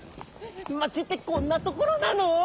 町ってこんなところなの？